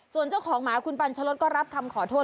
ส่วนเจ้าของหมาคุณปัญชรดก็รับคำขอโทษ